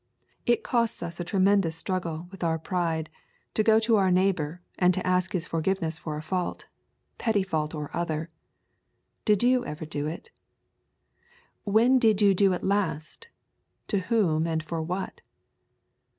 It costs us a tremendous struggle with our pride to go to our neighbour and to ask his forgiveness for a fault, petty fault or other. Did you ever do it? When did you do it last, to whom, and for what?